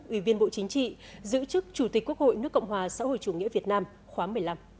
ủy viên bộ chính trị giữ chức chủ tịch quốc hội nước cộng hòa xã hội chủ nghĩa việt nam khóa một mươi năm